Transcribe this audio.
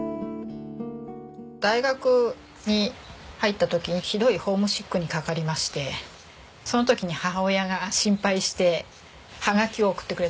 大学に入った時にひどいホームシックにかかりましてその時に母親が心配してはがきを送ってくれたんですよ。